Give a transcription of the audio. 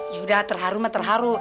yaudah terharu mah terharu